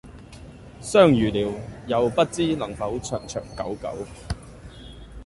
相遇了又不知能否長長久久